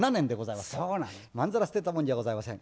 まんざら捨てたもんじゃございません。